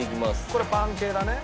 これパン系だね。